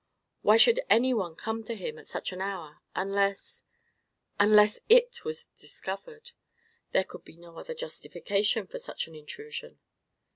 Why should any one come to him at such an hour, unless—unless it was discovered? There could be no other justification for such an intrusion.